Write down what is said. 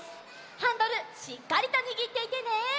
ハンドルしっかりとにぎっていてね。